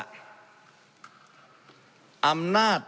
ในการที่จะระบายยาง